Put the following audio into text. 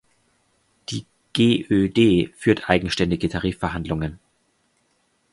Die GÖD führt eigenständige Tarifverhandlungen.